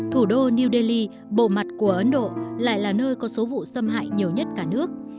thủ đô new delhi bộ mặt của ấn độ lại là nơi có nhiều vụ cơ nghiệp